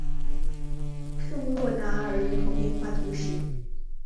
圣若达尔人口变化图示